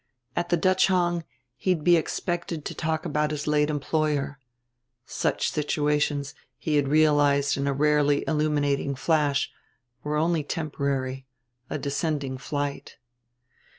At the Dutch Hong he'd be expected to talk about his late employer. Such situations, he had realized in a rarely illuminating flash, were only temporary, a descending flight.